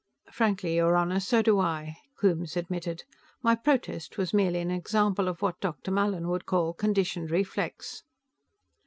"Frankly, your Honor, so do I," Coombes admitted. "My protest was merely an example of what Dr. Mallin would call conditioned reflex."